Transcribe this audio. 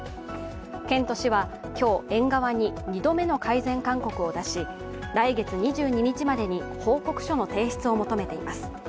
県と市は今日、園側に２度目の改善勧告を出し来月２２日までに報告書の提出を求めています。